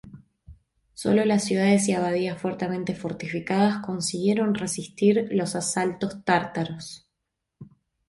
Sólo las ciudades y abadías fuertemente fortificadas consiguieron resistir los asaltos tártaros.